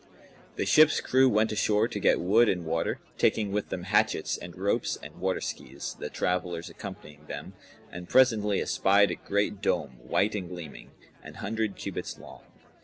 The ship's crew went ashore to get wood and water, taking with them hatchets and ropes and water skies (the travellers accompanying them), and presently espied a great dome, white and gleaming, an hundred cubits long.